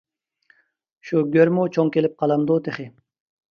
شۇ گۆرمۇ چوڭ كېلىپ قالامدۇ تېخى.